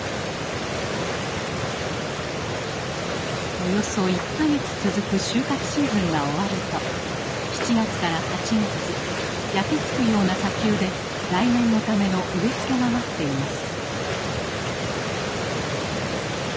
およそ１か月続く収穫シーズンが終わると７月から８月焼け付くような砂丘で来年のための植え付けが待っています。